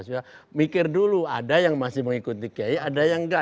mikir dulu ada yang masih mengikuti kiai ada yang enggak